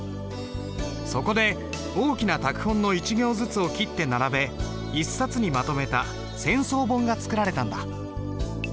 そこで大きな拓本の１行ずつを切って並べ一冊にまとめた剪装本が作られたんだ。